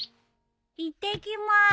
いってきまーす。